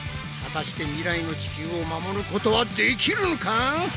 果たして未来の地球を守ることはできるのか？